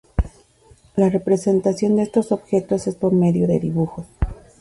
La representación de estos objetos es por medio de dibujos.